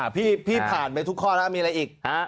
พี่ผ่านไปทุกข้อแล้วมีอะไรอีก